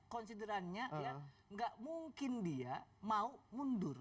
konsiderannya ya nggak mungkin dia mau mundur